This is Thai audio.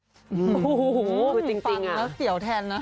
โอ้โหคือจริงฟังแล้วเสียวแทนนะ